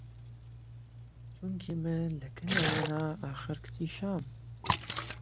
چونکی من له کن ئهوانه ئاخر کچی شام